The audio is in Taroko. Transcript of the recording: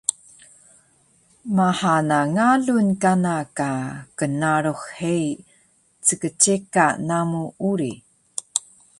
Maha na ngalun kana ka knnarux heyi ckceka namu uri